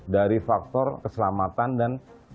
dari faktor keselamatan dan